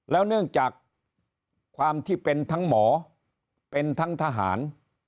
แล้วเนื่องจากความที่เป็นทั้งหมอเป็นทั้งทหาร